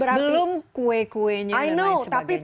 belum kue kuenya dan lain sebagainya